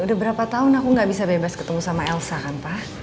udah berapa tahun aku gak bisa bebas ketemu sama elsa kan pak